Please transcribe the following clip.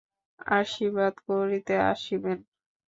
আশীর্বাদ করিতে আসিবেন?